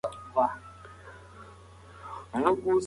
ده د چاپېريال ساتنې، ونو او اوبو د عادلانه وېش ملاتړ کاوه.